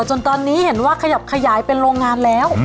จนตอนนี้เห็นว่าขยับขยายเป็นโรงงานแล้ว